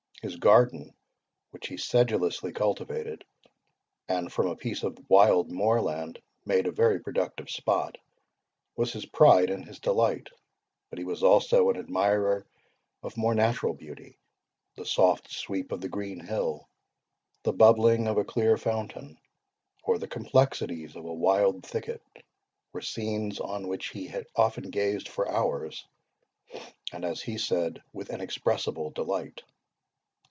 His garden, which he sedulously cultivated, and from a piece of wild moorland made a very productive spot, was his pride and his delight; but he was also an admirer of more natural beauty: the soft sweep of the green hill, the bubbling of a clear fountain, or the complexities of a wild thicket, were scenes on which he often gazed for hours, and, as he said, with inexpressible delight.